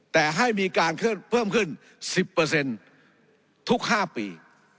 แต่ให้มีการเพิ่มขึ้น๑๐เปอร์เซ็นทุกห้าปี